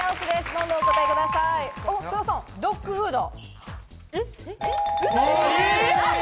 ドッグフード。